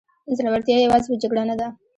زړورتیا یوازې په جګړه نه ده.